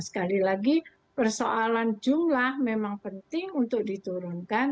sekali lagi persoalan jumlah memang penting untuk diturunkan